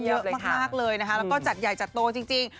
เยอะมากเลยจัดใหญ่จัดโตจริง